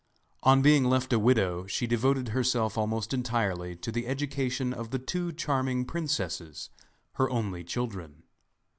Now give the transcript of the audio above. On being left a widow she devoted herself almost entirely to the education of the two charming princesses, her only children.